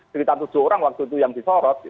sekitar tujuh orang waktu itu yang disorot